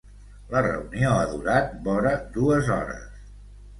La reunió ha durat vora dues hores.